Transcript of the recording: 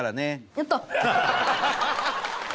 やった！